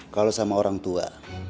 kalau sama orang tua